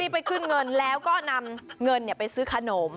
ไปขึ้นเงินแล้วก็นำเงินไปซื้อขนม